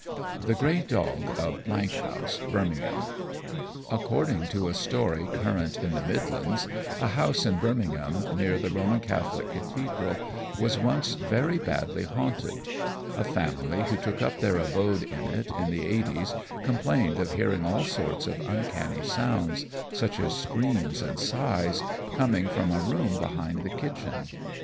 The Grey Dog of House, Birmingham According to a story current in the Midlands, a house in Birmingham, near the Roman Catholic Cathedral, was once very badly haunted. A family who took up their abode in it in the 'eighties complained of hearing all sorts of uncanny sounds such as screams and sighs coming from a room behind the kitchen.